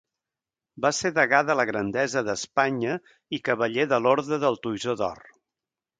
Va ser degà de la Grandesa d'Espanya i cavaller de l'Orde del Toisó d'Or.